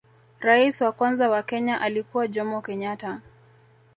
rais wa kwanza wa kenya alikuwa jomo kenyatta